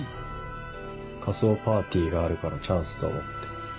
仮装パーティーがあるからチャンスと思って。